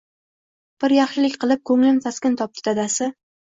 Bir yaxshilik qilib, ko`nglim taskin topdi dadasi